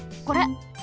これ。